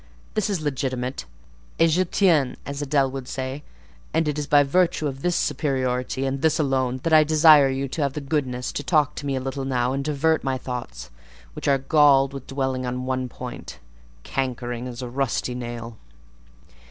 This is legitimate, et j'y tiens, as Adèle would say; and it is by virtue of this superiority, and this alone, that I desire you to have the goodness to talk to me a little now, and divert my thoughts, which are galled with dwelling on one point—cankering as a rusty nail."